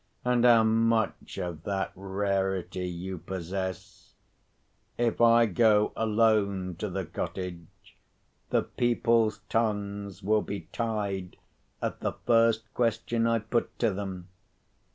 and how much of that rarity you possess! If I go alone to the cottage, the people's tongues will be tied at the first question I put to them.